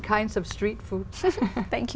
kỹ thuật của chúng tôi